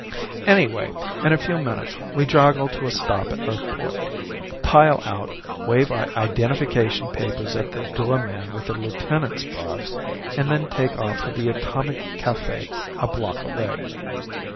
Anyway, in a few minutes we joggle to a stop at Earthport, pile out, wave our identification papers at the doorman with the lieutenant's bars, and then take off for the Atomic Cafe a block away.